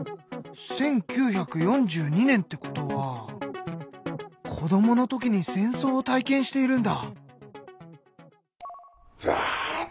１９４２年ってことは子どもの時に戦争を体験しているんだ！